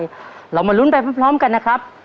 เรามาลุ้นไปพร้อมกันนะครับ